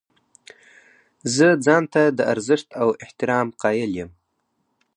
زه ځان ته د ارزښت او احترام قایل یم.